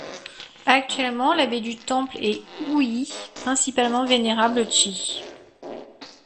Actuellement, l'abbé du temple est Hui principal Vénérable Chi.